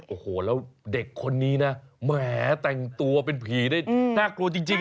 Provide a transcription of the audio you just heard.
โอ้โหแล้วเด็กคนนี้นะแหมแต่งตัวเป็นผีได้น่ากลัวจริง